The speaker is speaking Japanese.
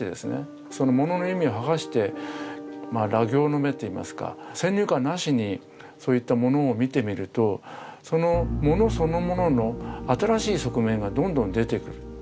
その物の意味を剥がして裸形の眼といいますか先入観なしにそういった物を見てみるとその物そのものの新しい側面がどんどん出てくる。